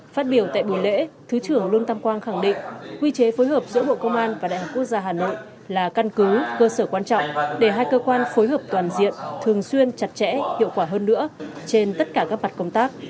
phát biểu tại buổi lễ thứ trưởng lương tâm quang khẳng định quy chế phối hợp giữa bộ công an và đại học quốc gia hà nội là căn cứ cơ sở quan trọng để hai cơ quan phối hợp toàn diện thường xuyên chặt chẽ hiệu quả hơn nữa trên tất cả các mặt công tác